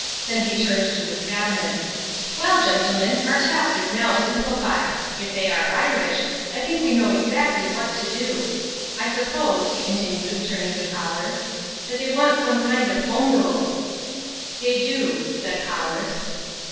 Then he turned to his Cabinet. "Well, gentlemen, our task is now simplified. If they are Irish, I think we know exactly what to do. I suppose," he continued, turning to Powers, "that they want some kind of Home Rule." "They do," said Powers.